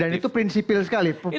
dan itu prinsipil sekali